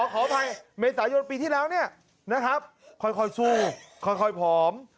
ขออภัยเมษายนปีที่แล้วเนี่ยนะครับค่อยสู้ค่อยผอม